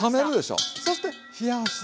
そして冷やす。